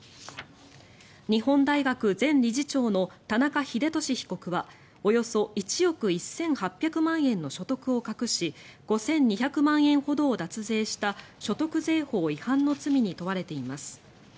日本大学前理事長の田中英寿被告はおよそ１億１８００万円の所得を隠し５２００万円ほどを脱税した所得税法違反の罪に問われています。